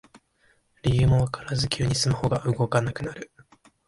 理由もわからず急にスマホが動かなくなる